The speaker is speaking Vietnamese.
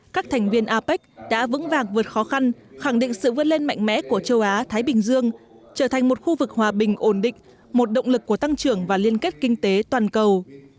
các thành viên apec đã vững vàng vượt khó khăn khẳng định sự vươn lên mạnh mẽ của châu á thái bình dương trở thành một khu vực hòa bình ổn định một động lực của tăng trưởng và liên kết kinh tế toàn cầu